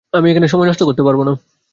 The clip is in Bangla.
আমি এখানে সময় নষ্ট করতে পারবো না!